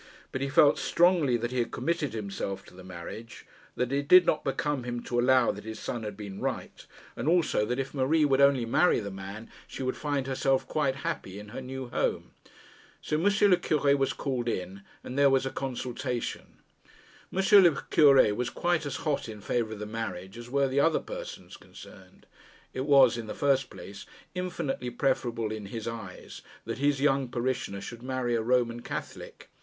But he felt strongly that he had committed himself to the marriage; that it did not become him to allow that his son had been right; and also that if Marie would only marry the man, she would find herself quite happy in her new home. So M. le Cure was called in, and there was a consultation. M. le Cure was quite as hot in favour of the marriage as were the other persons concerned. It was, in the first place, infinitely preferable in his eyes that his young parishioner should marry a Roman Catholic.